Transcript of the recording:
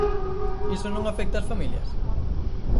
¿Iso non afecta ás familias?